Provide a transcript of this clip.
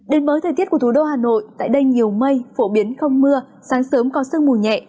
đến với thời tiết của thủ đô hà nội tại đây nhiều mây phổ biến không mưa sáng sớm có sương mù nhẹ